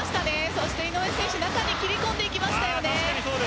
そして井上選手中に切り込んでいきましたよね。